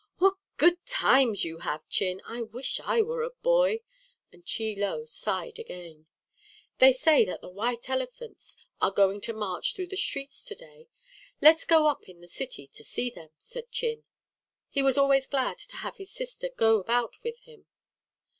"What good times you have, Chin. I wish I were a boy!" and Chie Lo sighed again. "They say that the white elephants are going to march through the streets to day. Let's go up in the city to see them," said Chin. He was always glad to have his sister go about with him.